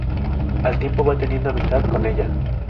Al tiempo, va teniendo amistad con ella.